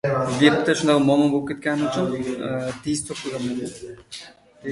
• Hatto taxtakana ham haqirligini tan olmaydi.